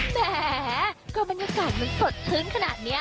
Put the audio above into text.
แหมก็บรรยากาศมันสดชื้นขนาดนี้